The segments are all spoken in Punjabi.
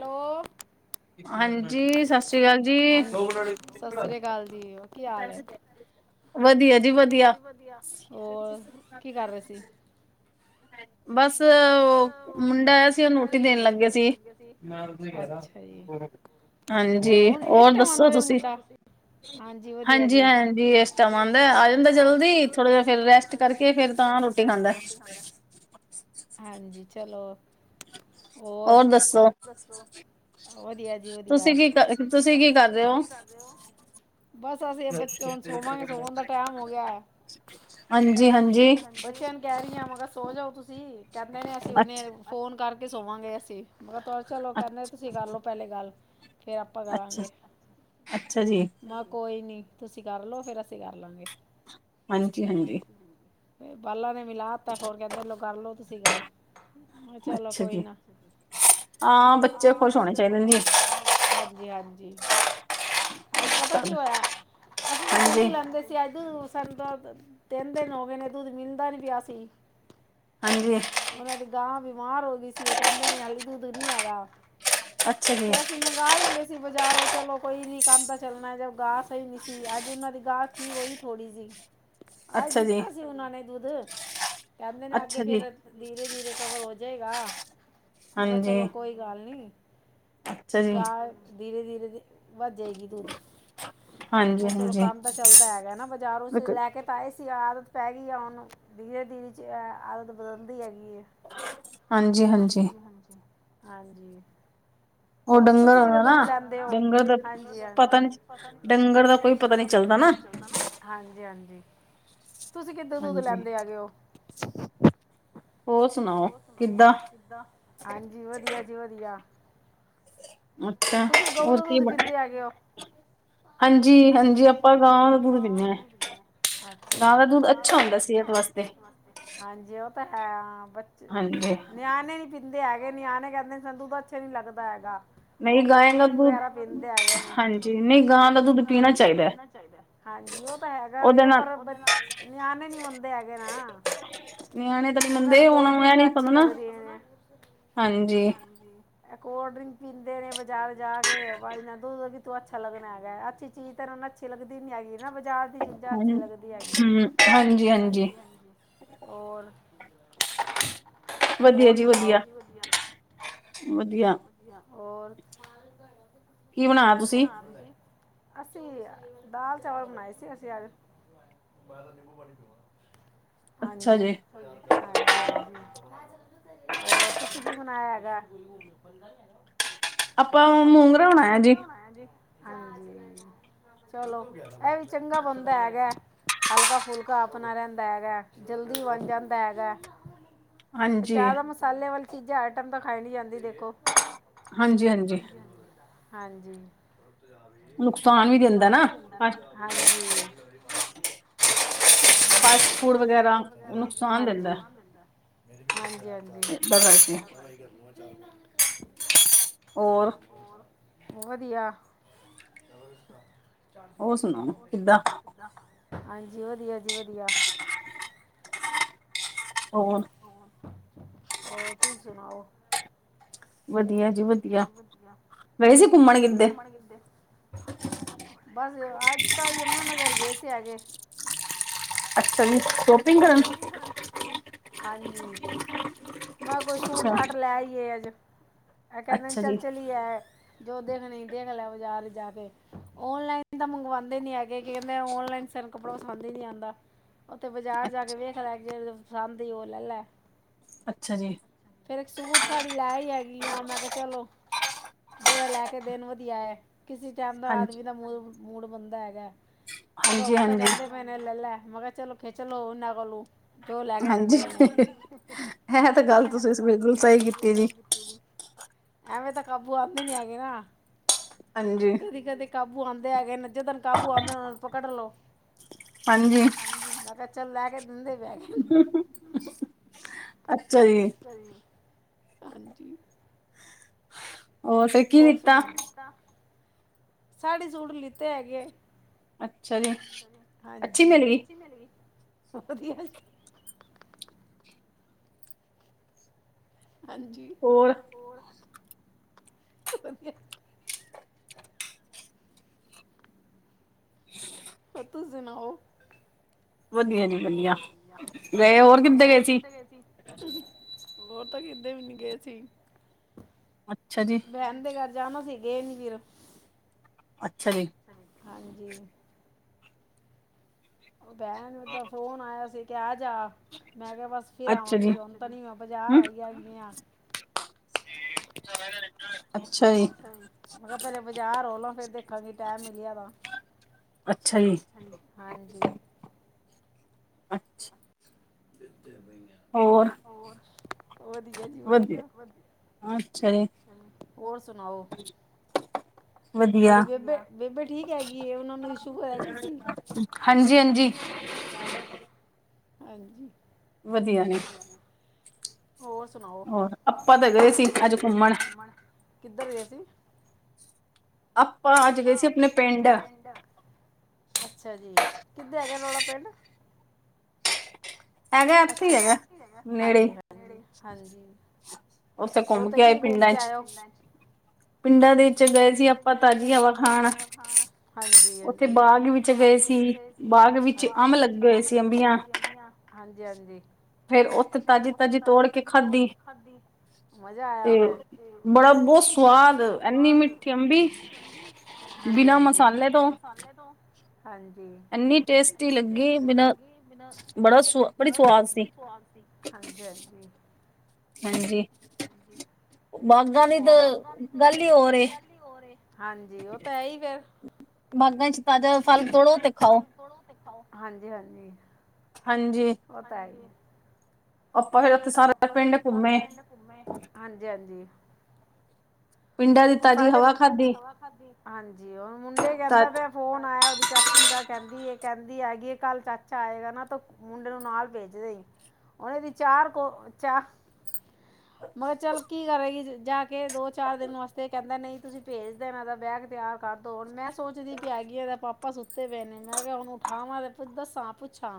ਹੈਲੋ। ਹਾਂਜੀ ਸਤਿ ਸ਼੍ਰੀ ਅਕਾਲ ਜੀ। ਵਧਆ ਦੀ ਵਧੀਆ ਹੋਰ ਕੀ ਕਰ ਰਹੇ ਸੀ [unintelligible] ਹਮ [inaudible] ਬਸ ਉਹ ਮੁੰਡਾ ਆਇਆ ਸੀ। ਉਹਨੂੰ ਰੋਟੀ ਦੇਣ ਲੱਗੇ ਸੀ। ਹਾਂਜੀ ਹੋਰ ਦੱਸੋ ਤੁਸੀਂ। ਹਾਂਜੀ ਹਾਂਜੀ ਇਸ ਟਾਈਮ ਆਉਂਦਾ ਆ ਜਾਂਦਾ ਜਲਦੀ ਥੋੜ੍ਹਾ ਜਿ ਫਿਰ ਰੈਸਟ ਕਰਕੇ ਫਿਰ। ਤਾਂ ਰੋਟੀ ਖਾਂਦਾ। ਹਾਂਜੀ ਚਲੋ। ਹੋਰ ਦੱਸੋ। ਵਧੀਆ ਜੀ ਵਧੀਆ ਤੁਸੀ ਕਰ ਤੁਸੀਂ ਕੀ ਕਰਦੇ ਹੋ? ਬਸ ਅਸੀਂ ਬੱਚੇ ਹੁਣ ਸੋਵਾਂਗੇ ਸੋਵਣ ਦਾ ਟੈਮ ਹੋ ਗਿਆ ਹੈ ਹਾਂਜੀ ਹਾਂਜੀ। ਬੱਚਿਆਂ ਨੂੰ ਕਹਿ ਰਹੀ ਹਾਂ ਮਗਾ ਸੋ ਜਾਓ ਤੁਸੀਂ ਕਹਿੰਦੇ ਨੇ ਅਸੀਂ ਉਹਨੇ ਫੋਨ ਕਰਕੇ ਸੋਵਾਂਗੇ ਅਸੀਂ ਮੈਂ ਕਿਹਾ ਤ ਚਲੋ ਕਹਿੰਦੇ ਤੁਸੀਂ ਕਰਲੋ ਪਹਿਲੇ ਗੱਲ ਫੇਰ ਆਪਾਂ ਕਰਾਂਗੇ ਮੈਂ ਕੋਈ ਨੀ ਤੁਸੀਂ ਕਰਲੋ ਫੇਰ ਅਸੀਂ ਕਰ ਲਵਗੇ ਹਾਂਜੀ ਹਾਂਜੀ ਬਾਲਾ ਨੇ ਮਿਲਾ ਦਿੱਤਾ ਫਰ ਕੇ ਕਰਲੋ ਤੁਸੀਂ ਗੱਲ ਚਲੋ ਕੋਈ ਨਾ ਹਾਂ ਬੱਚੇ ਖੁਸ਼ ਹੋਣੇ ਚਾਹੀਦੇ ਹਾਂਜੀ ਹਾਂਜੀ ਅੱਜ ਪਤਾ ਕੀ ਹੋਇਆ ਅਸੀਂ ਜ ਤੋ [unintelligible] ਹੀ ਲੈਂਦੇ ਸੀ ਅੱਜ ਦੁੱਧ ਪਸੰ ਦਹਿੰਦੇ ਨ ਹੋ ਗਏ ਨੇ ਦੁੱਧ ਮਿਲਦਾ ਨੀ ਪਿਆ ਸੀ ਉਹਨਾਂ ਦੀ ਗਾਂ ਬਿਮਾਰ ਹੋ ਗਈ ਸੀ ਉਹ ਕਹਿੰਦੇ ਨੇ ਹਾਲਲੀ ਦੁਧ ਨੀ ਹੈਗਾ ਫੇਰ ਅਸੀਂ ਮੰਗਵਾ ਲੈਂਦੇ ਸੀ ਬਾਜ਼ਾਰੋਂ ਚਲੋ ਕੋਈ ਨੀ ਕੰਮ ਤਾਂ ਚੱਲਣਾ ਜਾਂ ਗਾਹ ਸਹੀ ਨੀ ਸੀ ਅੱਜ ਉਹਨਾਂ ਦੀ ਗਾਹ ਠੀਕ ਹੋਈ ਥੋੜ੍ਹੀ ਸੀ ਆਜ ਦਿੱਤਾ ਸੀ ਉਹਨਾਂ ਨੇ ਦੁੱਧ ਕਹਿੰਦੇ ਨੇ ਅੱਗੇ ਫੇਿਰ ਧੀਰੇ ਧੀਰੇ ਕਵਰ ਹੋ ੱ ਜੇਗਾਾਹ ਮ ਕਿਹਾ ਚਲੋ ਕੋਈ ਗੱਲ ਨਹੀਂ ਗਾਹ ਧੀਰੇ ਧੀਰੇ ਵੱਧ ਆਏਗੀ ਦੂਧ ਉਹ ਚਲੋ ਕੰਮ ਤਾਂ ਚੱਲਦਾ ਹੈਗਾ ਨਾ ਬਾਜ਼ਾਰ ਲੈ ਕੇ ਤਾਂਏ ਆਦਤ ਪੈ ਗਈ ਹੁਨੂੰ ਧੀਰੇ ਧੀਰੇ ਚ ਆਦਤ ਬਦਲਦੀ ਹੈਗੀ ਹਾਂਜੀ-ਹਾਂਜੀ। ਹਾਂਜੀ। ਔ ਡੰਗਰ ਹੋਣੈ ਨਾ। ਡੰਗਰ ਦਾ ਪਤਾ ਨੀ, ਡੰਗਰ ਦਾ ਕੋਈ ਪਤਾ ਨੀ ਚੱਲਦਾ। ਪਤਾ ਨੀ ਚੱਲਦਾ ਨਾ। ਹਾਂਜੀ-ਹਾਂਜੀ। ਤੁਸੀ ਕਿੱਧਰ ਦੁੱਧ ਲੈਂਦੇ ਆ ਗਏ ਔ? ਹੋਰ ਸੁਣਾਔ ਕਿਦਾਂ? ਹਾਂਜੀ ਵਧੀਆ ਜੀ ਵਧੀਆ। ਤੁਸੀ ਗਊ ਦਾ ਦੁੱਧ ਪੀਂਦੇ ਹੈਗੇ ਔ। ਹਾਂਜੀ, ਹਾਂਜੀ ਆਪਾਂ ਗਾਂ ਦਾ ਦੂਧ ਪਿਨੇ ਆਂ। ਅੱਛਾ। ਗਾਂ ਦਾ ਦੁੱਧ ਅੱ ਹਾਂਜੀ ਔ ਤਾਂ ਹੈ, ਹਾਂ ਬੱਚ ਨਿਆਣੇ ਨੀ ਪਿਤ ਕੈਂਦੇ ਹੈਗੇ ਨਿਆਣੇ ਕੈਂਦੇ ਸੰਧੂ ਤਾਂ ਅੱਛਾ ਈ ਨੀ ਲੱਗਦਾ ਹੈਗਾ। ਔ ਕੋਲਡ ਡਰਿੰਗ ਵਗੈਰਾ ਪੀਂਦੇ ਹੈਗੇ ਨੇ। ਹਾਂਜੀ ਨਹੀਂ ਗਾਂ ਦਾ ਦੁੱਧ ਪੀਣਾ ਚਾਈਦੈ। ਹਾਂਜੀ, ਉਹ ਤਾਂ ਹੈਗਾ ਵੇ ਪਰ ਨਿਆਣੇ ਨੀ ਮਨਦੇ ਹੈਗੇ ਨਾ। ਨਿਆਣੇ ਤਾ ਨੀ ਮਨਦੇ, ਔਨਾ ਨੂੰ ਐ ਨੀ ਪਤਾ ਨਾ। ਹਾਂਜੀ। ਐ ਕੋਲਡ ਡ੍ਰਿੰਕ ਪਿੰ ਦੇਣੇ ਬਜ਼ਾਰ ਜਾ ਕੇ ਬਾਦ 'ਚ ਨਾ ਦੁੱਧ ਕਿਥੋਂ ਅੱਛਾ ਲੱਗਣਾ ਹੈਗੈ। ਅੱਛੀ ਚੀਜ਼ ਤੇ ਇਹਨਾ ਨੂੰ ਅੱਛੀ ਲੱਗਦੀ ਨੀ ਹੈਗੀ ਨਾ ਬਜ਼ਾਰ ਦੀ ਚੀਜ਼ਾਂ ਅੱਛੀ ਲੱਗਦੀ ਹੈਗੀ ਏ। ਹੋਰ ਵਧੀਆ ਜੀ ਵਧੀਆ, ਵਧੀਆ ਔਰ, ਕੋਣ ਆ ਰੇ ਸੀ? ਅਸੀ ਅ ਦਾਲ-ਚਾਵਲ ਬਣਾਏ ਸੀ, ਅਸੀ ਅੱਜ। ਹਾਂਜੀ, ਹਾਂਜੀ-ਹਾਂਜੀ। ਔਰ ਤੁਸੀ ਕੀ ਬਨਾਇਆ ਹੈਗੈ? ਆਪਾਂ ਮੂੰਗਰਾ ਬਣਾਐ ਜੀ। ਚਲੋ, ਐ ਵੀ ਚੰਗਾ ਬੰਦਾ ਹੈਗੈ। ਹਲਕਾ ਫੁਲਕਾ ਆਪਣਾ ਰੈਂਦੈ ਹੈਗੈ। ਜਲਦੀ ਬਣ ਜਾਂਦਾ ਹੈਗੈ। ਜਿਆਦਾ ਮਸਾਲੇ ਵਾਲੀ ਚੀਜ਼ਾਂ ਆਈਟਮ ਤਾਂ ਖਾਈ ਨੀ ਜਾਂਦੀ, ਦੇਖ ਹਾਂਜੀ। ਨੁਕਸਾਨ ਵੀ ਦਿੰਦੈ ਨਾ। ਹਾਂਜੀ। ਹਾਂਜੀ, ਹਾਂਜੀ-ਹਾਂਜੀ। ਪੜਾਈ ਕਰ ਲੂ ਆਂ, ਚਾਰ। ਨਈ ਮੈਂ ਨਈ ਕਰਨੀ। ਔਰ ਵਧੀਆ ਹਾਂਜੀ ਵਧੀਆ ਜੀ ਵਧੀਆ। ਔਰ ਔਰ ਤੁਸੀ ਸੁਣਾਔ। ਦਿਆਂ ਜੀ ਵਧੀਆ। ਵ ਗਏ ਸੀ ਘੁੰਮਣ ਕਿਤੇ? ਬਸ ਅੱਜ ਤਾਂ ਯਮੁਨਾ ਨਗਰ ਗਏ ਸੀ। ਤੇ ਹੈਗੇ ਅੱਛਾ ਜੀ, ਸ਼ੋਪਿੰਗ ਕਰਨ? ਹਾਂਜੀ। ਮੈਂ ਕੋਈ ਸੂਟ-ਸਾਟ ਲੈ ਈਏ ਅੱਜ। ਐ ਕੈਂਦੇ ਨੇ ਚੱਲ ਚਲੀਏ ਐ। ਜੋ ਦੇਖਣਈ ਦੇਖ ਲੈ ਬਾਜ਼ਾਰ ਵਿੱਚ ਜਾ ਕੇ। ਔਨਲਾਈਨ ਤਾਂ ਮੰਗਵਾਂਦੇ ਨੀ ਹੈਗੇ ਕੀ ਕੈਂਦੇ ਔਨਲਾਈਨ [unintelligible] ਕੱਪੜਾ ਪਸੰਦ ਈ ਨੀ ਆਂਦਾ। ਔਥੇ ਬਾਜ਼ਾਰ ਜਾ ਕੇ ਵੇਖ ਲੈ ਜੇੜੇ ਪਸੰਦ ਈ ਔ ਲੈ ਲੈ। ਫੇਰ ਇੱਕ ਸੂਟ ਸਾੜੀ ਲੈ ਈ ਆਈ ਇਆਂ। ਮੈਂ ਕਿਆ ਚਲੋ ਜਿਹੜਾ ਲੈ ਕੇ ਦੇਨ ਵਧੀਐ। ਕਿਸੀ ਟੈਮ ਤਾਂ ਆਦਮੀ ਦਾ ਮੂ ਮੂਡ ਬਣਦਾ ਹੈਗੈ। ਮੈਂ ਕਿਆ ਹੁਣ ਤਾਂ ਕੈਂਦੇ ਪਏ ਨੇ ਲੈ ਲੈ। ਮੈਂ ਕਿਆ ਚਲੋ ਖੇਚ ਲੋ ਔਨਾ ਕਲੋਂ। ਜੋ ਲੈ ਕੇ ਦੇਂਦੇ ਨੇ। ਹਾਂਜੀ, ਐ ਤੇ ਗੱਲ ਤੁਸੀ ਬਿਲਕੁੱਲ ਸਈ ਕੀਤੀ ਜੀ। ਐਵੇਂ ਤਾਂ ਕਾਬੂ ਆਂਦੇ ਨੀ ਹੈਗੇ ਨਾ। ਹਾਂਜੀ। ਕਾਬੂ ਆਂਦੇ ਹੈਗੇ ਨੇ, ਜਿੱਦਣ ਕਾਬੂ ਆਂਦੇ ਨੇ, ਔਨੂੰ ਪਕੜ ਲੋ। ਹਾਂਜੀ, ਮੈਂ ਕਿਹਾ ਚਲ ਲੈ ਕੇ ਦਿੰਦੇ ਪੈ ਹੈਗੇ। ਅੱਛਾ ਜੀ, ਹਾਂਜੀ। ਔਰ ਫੇਰ ਕੀ ਦਿਤਾ? ਸਾੜੀ ਸੁਟ ਲਿੱਤੇ ਹੈਗੇ। ਹਾਂਜੀ, ਅੱਛੀ ਮਿਲ ਗਈ। ਵਧੀਆ ਜੀ। ਹਾਂਜੀ, ਹੋਰ? ਵਧੀਆ [inaudible] ਹੋ ਤੁਸ ਸੁਣਾਔ। ਵਧੀਆ ਜੀ ਵਧੀਆ, ਗਏ ਹੋਰ ਕਿੱਧ ਗਏ ਸੀ? ਹੋਰ ਤਾਂ ਕਿਦੇ ਵੀ ਨਹੀਂ ਗਏ ਸੀ। ਅੱਛਾ ਜੀ। ਜਾਣਾ ਸੀ, ਗਏ ਨੀ ਫਿਰ। ਅੱਛਾ ਜੀ। ਹਾਂਜੀ। ਔ ਭੈਣ, ਔਦਾ ਫੋਨ ਆਇਆ ਸੀ। ਕੈਦ ਜਾ, ਮੈਂ ਕਿਹਾ ਬਸ ਫਿਰ ਆਵਾਂਗੀ ਹੁਨ ਤਾਂ ਨੀ, ਬਜ਼ਾਰ ਆਈ ਹੇਗੀ ਆਂ। [inaudible] [unintelligible] ਮੈਂ ਕਿਹਾ ਪਹਿਲਾ ਬਾਜ਼ਾਰ ਹੋਲਾਂ ਫੇਰ ਦੇਖਾਂਗੀ ਟੈਮ ਮਿਲਿਆ ਤਾਂ। ਅੱਛਾ ਜੀ, ਹਾਂਜੀ। ਅੱਛ। ਹੋਰ? ਵਧੀਆ ਜੀ ਵਧੀਆ, ਵਦੀਆਂ। ਹੋਰ ਸੁਣਾਔ? [inaudible] ਤੁਹਾਡੀ ਬੇਬੇ, ਬੇਬੇ ਠੀਕ ਹੈਗੀ ਏ, ਔਨਾ ਨੂੰ ਵੀ ਸ਼ੁਗਰ ਹੈਗੀ ਸੀ। ਹੰਜੀ ਹੰਜੀ। ਹਾਂਜੀ। ਵਧੀਆ ਨੇ। ਹੋਰ ਸੁਣਾਓ? ਆਪਾਂ ਤੇ ਗਏ ਸੀ ਅੱਜ ਘੁੰਮਣ। ਕਿੱਧਰ ਗਏ ਸੀ? ਆਪਾਂ ਅਜ ਗਏ ਸੀ ਆਪਣੇ ਪਿੰਡ। ਅੱਛਾ ਜੀ। ਕਿੱਦਾਂ ਹੈਗਾ ਤੁਹਾਡਾ ਪਿੰਡ? ਅੱਛਾ ਅੱਛਾ, ਹਾਂਜੀ ਹਾਂਜੀ, ਹਾਂਜੀ। ਔਥੇ ਘੁੰਮ ਕੇ ਆਏ ਪਿੰਡਾਂ ਚ? ਪਿੰਡਾਂ ਦੇ ਵਿੱਚ ਗਏ ਸੀ ਆਪਾਂ ਤਾਜ਼ੀ ਹਵਾ ਖਾਣ। ਹਾਂਜੀ ਹਾਂਜੀ, ਔਥੇ ਬਾਗ ਵਿੱਚ ਚ ਗਏ ਸੀ ਬਾਗ ਵਿੱਚ ਅੰਬ ਲੱਗ ਗਏ ਸੀ, ਅੰਬੀਆਂ। ਹਾਂਜੀ ਹਾਂਜੀ, ਫੇਰ ਔਥੇ ਤਾਜ਼ੀ-ਤਾਜ਼ੀ ਤੋੜਕੇ ਖਾਧੀ। ਤੇ, ਬੜਾ ਬਹੁਤ ਸਵਾਦ। ਏਨੀ ਮਿੱਠੀ ਅਂਬੀ, ਬਿਨਾਂ ਮਸਾਲੇ ਤੋਂ। ਹਾਂਜੀ, ਏਨੀ ਟੇਸਟੀ ਲੱਗੀ ਬਿਨਾਂ, ਬੜਾ ਸਵ ਬੜੀ ਸੁਵਾਦ ਸੀ। ਹਾਂਜੀ ਹਾਂਜੀ। ਹਾਂਜੀ, ਬਾਘਾਂ ਦੀ ਤੇ ਗੱਲ ਹੀ ਹੋਰ ਏ। ਹਾਂਜੀ, ਔ ਤਾਂ ਏ ਈ ਫੇਰ। ਹਾਂਜੀ ਹਾਂਜੀ। ਹਾਂਜੀ, ਆਪਾਂ ਫੇਰ ਆਪਾ ਫੇਰ ਔਥੇ ਸਾਰੇ ਪਿੰਡ ਘੁੰਮੇ, ਹਾਂਜੀ ਹਾਂਜੀ। ਸਾਡੇ [unintelligible] ਤਾਜੀ ਹਵਾ ਖਾਦੀ। ਹਾਂਜੀ, ਔ ਮੁੰਡੇ ਕੇਂਦਾ ਪਯਾ ਫੋਨ ਆਇਆ ਔਦੀ ਚਾਚੀ ਦਾ। ਕਹਿੰਦੀ ਕਹਿੰਦੀ ਹੈਗੀ ਕੱਲ ਚਾਚਾ ਆਏਗਾ ਨਾ ਤਾ ਮੁੰਡੇ ਨੂੰ ਨਾਲ ਭੇਜ ਦੇਈ। ਔਨੇ ਦੀ ਚਾਰ, ਕੋ ਚਾਹ ਮੈਂ ਕਯਾ ਚੱਲ ਕੀ ਕਰੇਗੀ ਜਾ ਕੇ ਦੋ ਚਾਰ ਦਿਨ ਵਾਸਤੇ ਤੇ ਕਹਿੰਦਾ ਨਹੀਂ ਤੁਸੀਂ ਭੇਜ ਦੇਣਾ ਏਦਾ ਬੈਗ ਤਿਆਰ ਕਰ ਦੋ। ਹੁਨ ਮੈਂ ਸੋਚਦੀ ਪੀ ਹੈਗੀ ਆਂ ਏਦੇ ਪਾਪਾ ਸੁੱਤੇ ਪਏ ਨੇ। ਮੈਂ ਕਿਹਾ ਉਹਨੂੰ ਉਠਾਵਾਂ ਤੇ ਦੱਸਾਂ ਪੁੱਛਾਂ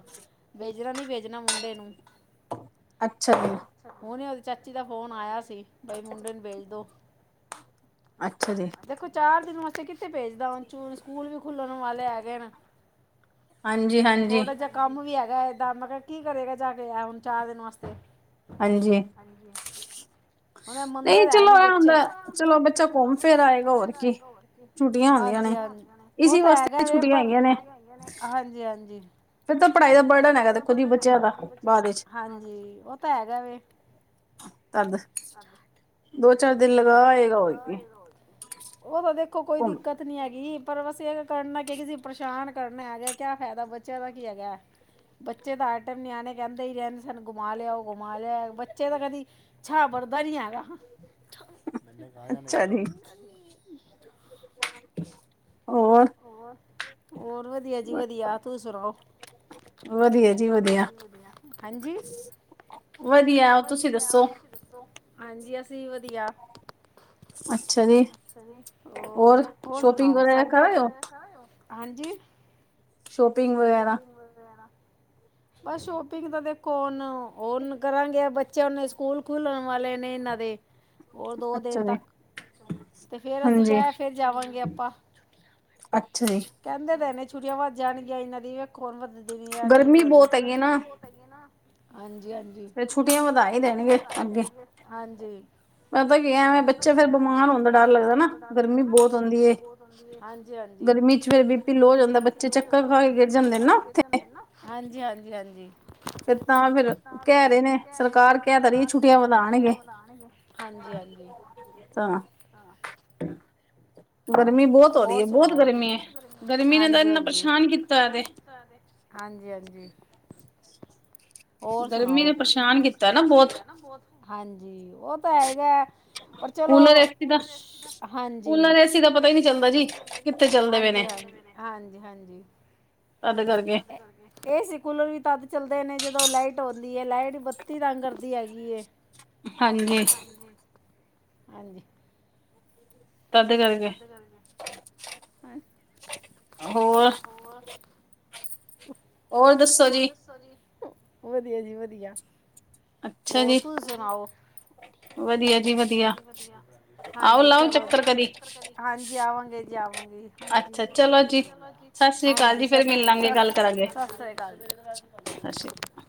ਵੇਚਣਾ ਨੀ ਵੇਚਣਾ ਮੁੰਡੇ ਨੂੰ ਅੱਛਾ ਜ ਚਾਚੀ ਦਾ ਫੋਨ ਆਇਆ ਸੀ ਬਈ ਮੁੰਡੇ ਨੂੰ ਭੇਜ ਦੋ ਅੱਛਾ ਜੀ ਾਸੇ ਕਿੱਥੇ ਭੇਜਦਾ ਸਕੂਲ ਵੀ ਖੁੱਲਣ ਵਾਲੇ ਹੈਗੇ ਨੇ ਥੋੜਾ ਜਿਹਾ ਕੰਮ ਵੀ ਹੈ ਰਦਾ ਮਤਗ ਕੀ ਕਰੇਗਾ ਜਾ ਕੇ ਆਇ ਹੁਣ ਚਾਰ ਦਿਨ ਵਾਸਤੇ ਹਨ ਮੰਦਿਰ ਹੈ ਨੀ ਬੱਚੇ ਹਾਂਜੀ ਹਾਂਜੀ ਉਹ ਤਾਂ ਹੈਗਾ ਵੇ ਪਰ ਹਾਂਜੀ ਹਾਂ ਪੜਾਈ ਦਾ [unintelligible] ਬੱਚਿਆਂ ਦਾ ਹਾਂਜੀ ਉਹ ਤਾਂ ਹੈਗਾ ਵ ਤਦ ਦੋ ਦੋ ਚਾਰ ਦਿਨ ਲਗਾ ਉਹ ਤਾਂ ਦੇਖੋ ਕੋਈ ਦਿੱਕਤ ਨੀ ਹੈਗੀ ਪਰ ਬਸ ਇਹ ਕਰਨਾ ਕੀ ਕਿਸੇ ਪਰੇਸ਼ਾਨ ਕਰਨਾ ਹੈਗੇ ਕਿਆ ਫਾਇਦਾ ਬੱਚਿਆਂ ਦਾ ਕੀ ਹੈਗਾ ਬੱਚੇ ਤਾਂ ਆਈਟਮ ਨਿਆਣੇ ਕਹਿੰਦੇ ਹੀ ਰਹਿੰਦੇ ਸਨ ਗੁਮਾ ਲਿਆ ਉਹ ਗੁਮਾ ਲਿਆ ਬੱਚੇ ਦਾ ਕਦੀ ਛਾ ਬੜ ਪੜਦਾ ਨ ਹੈਗਾ [inaudible] ਹੋ ਹੋਰ ਵਧੀਆ ਜੀ ਵਧੀਆ ਤੁਸੀ ਸੁਣਾਓ ਵਧੀਆ ਜੀ ਵਧੀਆ ਹਾਂਜੀ ਵਧੀਆ ਤੁਸੀਂ ਦੱਸੋ ਹਾਂਜੀ ਅਸੀਂ ਵਧੀਆ ਅੱਛਾ ਜੀ ਹੋਰ ਸ਼ੋਪਿੰਗ ਵਗੈਰਾ ਕਰ ਰਹੇ ਹੋ ਹਾਂਜੀ ਸ਼ੋਪਿੰਗ ਵਗੇਰਾ ਬਸ ਸ਼ੋਪਿੰਗ ਤਾਂ ਦੇਖੋ ਹਨ ਨ ਕਰਾਂਗੇ ਬੱਚਿਆਂ ਨੇ ਸਕੂਲ ਖੁਲਣ ਵਾਲੇ ਨੇ ਇਹਨਾਂ ਦੇ ਹੋਰ ਦੋ ਦਿਨ ਤੱਕ ਤੇ ਫੇਰ ਅਸੀਂ ਕਹਿ ਫਰ ਜਾਵਾਂਗੇ ਆਪਾਂ ਕਹਿੰਦੇ ਤਨ ਛੁੱਟੀਆਂ ਵੱਧ ਜਾਣਗੀਆਂ ਇਹਨਾਂ ਦੀਣ ਵਦਦੀ ਨਹੀਂ ਵਦੀ ਹ ਹਾਂਜੀ ਹਾਂਜੀ ਪ ਬੱਚੇ ਫਿਰ ਬਿਮਾਰ ਹੋਣ ਦਾ ਡਰ ਲੱਗਦਾ ਨਾ ਗਰਮੀ ਬਹੁਤ ਹੁੰਦੀ ਹੈ ਹਾਂਜੀ ਹਾਂਜੀ ਗਰਮੀ ਚ ਫਿਰ ਵੀ ਪੀਲ ਜਾਂਦਾ ਬੱਚੇ ਚੱਕਰ ਖਾ ਕੇ ਗਏ ਹਾਂਜੀ ਹਾਂਜੀ ਹਾਂਜੀ ਤੇ ਤਾਂ ਫਿਰ ਕਹਿ ਰਹੇ ਨੇ ਸਰਕਾਰ ਕਹਿ ਤ ਰਹੀ ੁਠੀਆਂ ਵਧਉਣਗੇ ਹਾਂਜੀ-ਹਾਂਜੀ। ਤਾਂ। ਗਰਮੀ ਬਹੁਤ ਹੋ ਰਹੀ ਹੈ ਬਹੁਤ ਗਰਮੀ ਹੈ ਗਰਮੀ ਨੇ ਤਾਂ ਇੰਨਾ ਪਰੇਸ਼ਾਨ ਕੀਤਾ। ਪਰੇਸ਼ਾਨ ਕੀਤਾ ਹੈ ਹਾਂਜੀ-ਹਾਂਜੀ। ਹੋਰ ਸੁਣਾਓ ਗਰਮੀ ਨੇ ਪ੍ਰੇਸ਼ਾਨ ਕੀਤਾ ਨਾ ਹਾਂਜੀ ਉਹ ਤਾਂ ਹੈਗਾ। ਕੂਲਰ ਏਸੀ ਦਾ ਕੂਲਰ ਏਸੀ ਦਾ ਪਤਾ ਹੀ ਨਹੀਂ ਚੱਲਦਾ ਜੀ ਕਿੱਥੇ ਚੱਲਦੇ ਪਏ ਨੇ। ਹਾਂਜੀ-ਹਾਂਜੀ-ਹਾਂਜੀ। ਇਹ ਸੀ ਕੂਲਰ ਵੀ ਤਦ ਚੱਲਦੇ ਨੇ ਜਦੋਂ ਲਾਈਟ। ਹੁੰਦੀ ਹੈ ਲਾਈਟ ਬੱਤੀ ਤੰਗ ਕਰਦੀ ਹੈਗੀ ਹੈ। ਹਾਂਜੀ। ਕਰਦੇ-ਕਰਦੇ ਹਾਂਜੀ। ਹੋਰ। ਹੋਰ ਦੱਸੋ ਜੀ। ਵਧੀਆ ਜੀ ਵਧੀਆ ਹੋਰ ਤੂੰ ਸੁਣਾਓ। ਵਧੀਆ ਜੀ ਵਧੀਆ ਹਾਂਜੀ ਚਲੋ ਜੀ ਆਓ ਲਾਓ ਕਦੀ ਚੱਕਰ ਆਵਾਂਗੇ ਜੀ ਆਵਾਂਗੇ। [unintelligible] ਸਤਿ ਸ਼੍ਰੀ ਅਕਾਲ।